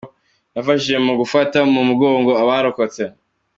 Yafashije mu gufata mu mugongo abarokotse.